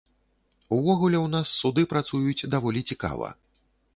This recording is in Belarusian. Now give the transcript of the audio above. Увогуле ў нас суды працуюць даволі цікава.